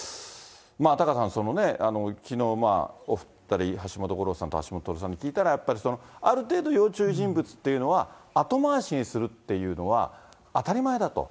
タカさん、きのう橋本五郎さんと橋下徹さんに聞いたら、やっぱりある程度、要注意人物っていうのは後回しにするっていうのは当たり前だと。